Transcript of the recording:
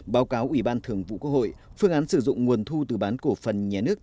báo cáo ủy ban thường vụ quốc hội phương án sử dụng nguồn thu từ bán cổ phần nhà nước